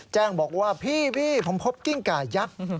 แจ้งบอกว่าพี่ผมพบกิ้งกายักษ์